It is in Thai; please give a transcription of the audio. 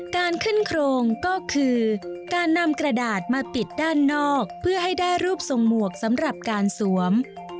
การขึ้นโครงก็คือการนำกระดาษมาปิดด้านนอกเพื่อให้ได้รูปทรงหมวกสำหรับการสวม